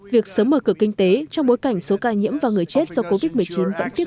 việc sớm mở cửa kinh tế trong bối cảnh số ca nhiễm và người chết do covid một mươi chín vẫn tiếp